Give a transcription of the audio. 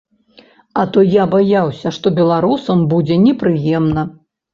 А то я баяўся, што беларусам будзе непрыемна.